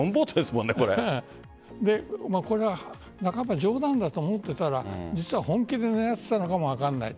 これは半ば冗談だと思っていたら実は本気で狙っていたのかもわからない。